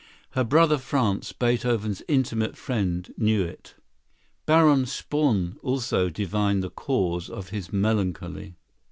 Her brother Franz, Beethoven's intimate friend, knew it. Baron Spaun also divined the cause of his melancholy.